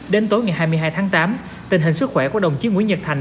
đến tối ngày hai mươi hai tháng tám tình hình sức khỏe của đồng chí nguyễn nhật thành